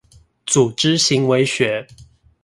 組織行為學